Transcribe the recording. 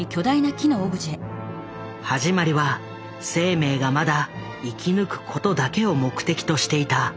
始まりは生命がまだ生き抜くことだけを目的としていた単細胞の時代。